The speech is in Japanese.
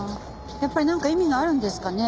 やっぱりなんか意味があるんですかね？